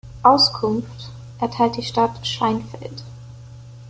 Auskunft erteilt die Stadt Scheinfeld.